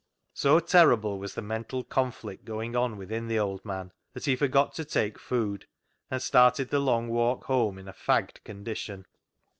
So terrible was the mental conflict going on within the old man that he forgot to take food, and started the long walk home in a fagged condition.